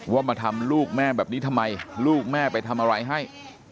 ว่ามาทำลูกแม่แบบนี้ทำไมลูกแม่ไปทำอะไรให้